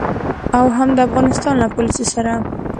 او هم د افغانستان له پوليسو سره.